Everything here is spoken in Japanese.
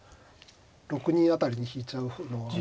６二辺りに引いちゃうのは。